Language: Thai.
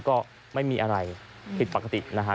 ก็ไม่มีอะไรผิดปกตินะฮะ